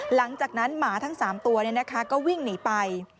หลังจากนั้นหมาทั้ง๓ตัวก็วิ่งหนีไป